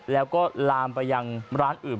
แล้วก็ลามไปยังร้านอื่น